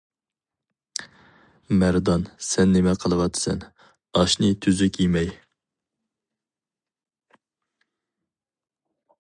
مەردان-سەن نېمە قىلىۋاتىسەن، ئاشنى تۈزۈك يېمەي.